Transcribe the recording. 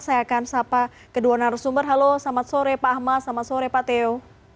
saya akan sapa kedua narasumber halo selamat sore pak ahmad selamat sore pak teo